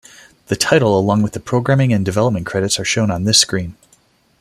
The title along with the programming and development credits are shown on this screen.